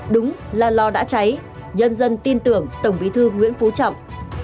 đúng là lò đã cháy nhân dân tin tưởng tổng bí thư nguyễn phú trọng